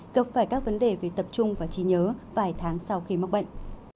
gặp phải các vấn đề về tập trung và trí nhớ vài tháng sau khi mắc bệnh